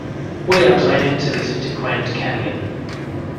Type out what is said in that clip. We are planning to visit the Grand Canyon.